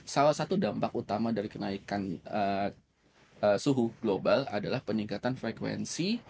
salah satu dampak utama dari kenaikan suhu global adalah peningkatan frekuensi